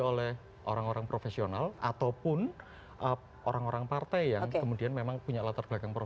oleh orang orang profesional ataupun orang orang partai yang kemudian memang punya latar belakang